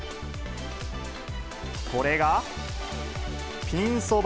これがピンそば